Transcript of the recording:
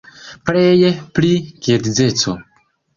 Pleje pri geedzeco.